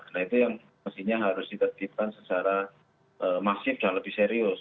nah itu yang mestinya harus ditertipkan secara masif dan lebih serius